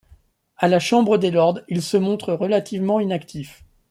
À la Chambre des lords, il se montre relativement inactif.